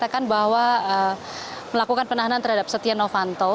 kami tidak menjelaskan bahwa setia nevanto bisa dianggap sebagai penahanan terhadap setia nevanto